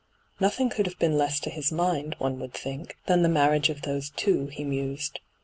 ' Nothing could have been less to his mind, one would think, than the marriage of those two,' he mused.